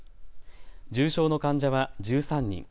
重症の患者は１３人。